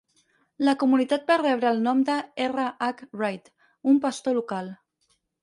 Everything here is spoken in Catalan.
La comunitat va rebre el nom de R. H. Reid, un pastor local.